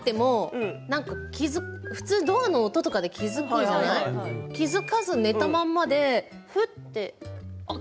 普通、ドアの音で気付くじゃない気付かず寝たままでふってあっ